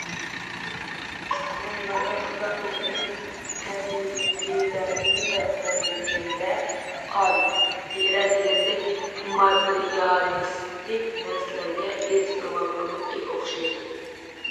كونىلارنىڭ خاتا قىلغىنى تەبىقىلەرنى پەرقلەندۈرگەندە قان، تېرە دېگەندەك ماتېرىيالىستىك نەرسىلەرگە ئېسىلىۋالغانلىقى ئوخشايدۇ.